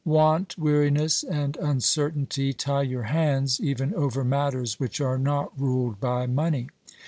Want, weariness and uncertainty tie your hands even over matters which are not ruled by money.